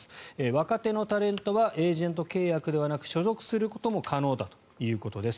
若手のタレントはエージェント契約ではなく所属することも可能だということです。